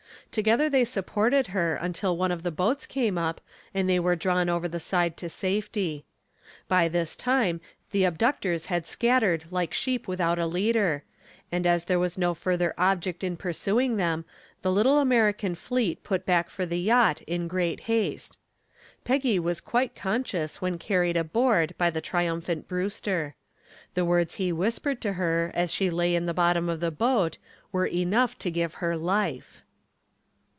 Together they supported her until one of the boats came up, and they were drawn over the side to safety. By this time the abductors had scattered like sheep without a leader, and as there was no further object in pursuing them the little American fleet put back for the yacht in great haste. Peggy was quite conscious when carried aboard by the triumphant Brewster. The words he whispered to her as she lay in the bottom of the boat were enough to give her life.